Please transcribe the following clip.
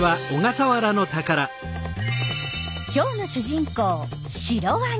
今日の主人公シロワニ。